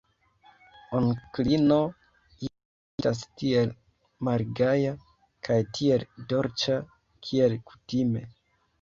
Onklino Ida estas tiel malgaja kaj tiel dolĉa, kiel kutime.